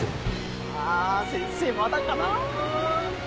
あ先生まだかな。